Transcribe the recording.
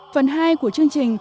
phần hai của chương trình